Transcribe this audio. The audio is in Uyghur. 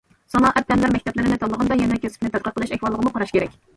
سانائەت پەنلەر مەكتەپلىرىنى تاللىغاندا يەنە كەسىپنى تەتقىق قىلىش ئەھۋالىغىمۇ قاراش كېرەك.